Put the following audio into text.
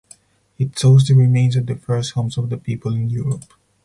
It shows the remains of the first homes of the people in Europe.